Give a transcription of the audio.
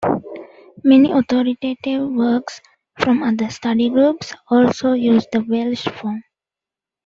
Many authoritative works, from other study groups, also use the Welsh form.